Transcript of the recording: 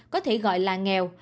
có thể gọi là nghèo